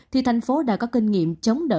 thì thành phố đã có kinh nghiệm chống đỡ